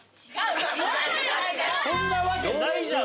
そんなわけないじゃんか。